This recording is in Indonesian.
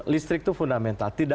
listrik itu fundamental